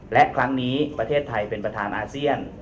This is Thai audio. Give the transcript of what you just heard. และครั้งนี้ประเทศไทยเป็นประธานอาเซียน